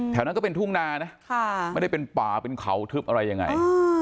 นั้นก็เป็นทุ่งนานะไม่ได้เป็นป่าเป็นเขาทึบอะไรยังไง